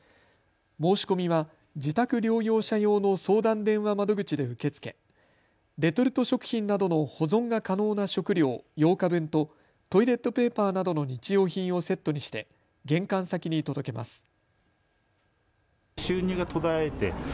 申し込みは自宅療養者用の相談電話窓口で受け付けレトルト食品などの保存が可能な食料８日分とトイレットペーパーなどの日用品をセットにして玄関先に届けます。